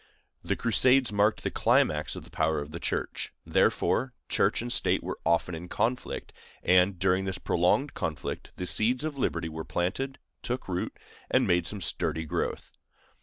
The Crusades marked the climax of the power of the Church. Thereafter, Church and State were often in conflict; and during this prolonged conflict the seeds of liberty were planted, took root, and made some sturdy growth.